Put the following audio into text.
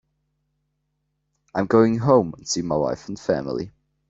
I'm going home and see my wife and family.